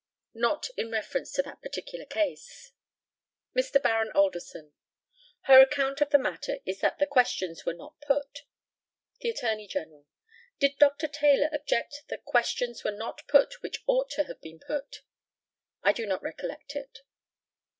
Not in reference to that particular case. Mr. Baron ALDERSON: Her account of the matter is that the questions were not put. The ATTORNEY GENERAL: Did Dr. Taylor object that questions were not put which ought to have been put? I do not recollect it.